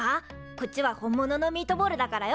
こっちは本物のミートボールだからよ